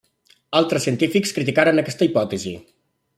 Altres científics criticaren aquesta hipòtesi.